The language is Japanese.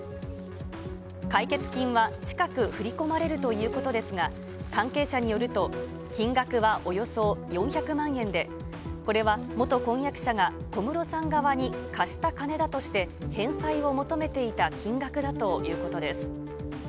解決金は近く振り込まれるということですが、関係者によると金額はおよそ４００万円で、これは元婚約者が小室さん側に貸した金だとして返済を求めていた金額だということです。